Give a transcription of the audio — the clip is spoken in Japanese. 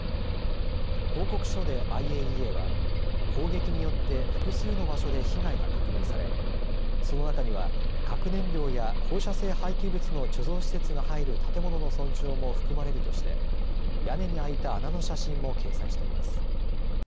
報告書でＩＡＥＡは砲撃によって複数の場所で被害が確認されその中には核燃料や放射性廃棄物の貯蔵施設が入る建物の損傷も含まれるとして屋根に開いた穴の写真も掲載しています。